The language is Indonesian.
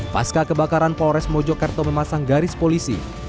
pasca kebakaran polres mojokerto memasang garis polisi